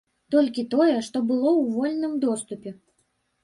Толькі тое, што было ў вольным доступе.